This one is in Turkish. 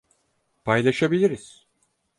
Paylaşabiliriz.